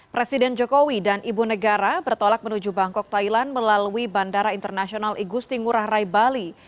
presiden jokowi dan ibu negara bertolak menuju bangkok thailand melalui bandara internasional igusti ngurah rai bali